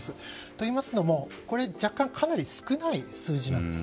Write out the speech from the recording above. といいますのもこれ若干かなり少ない数字です。